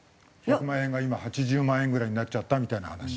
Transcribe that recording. １００万円が今８０万円ぐらいになっちゃったみたいな話。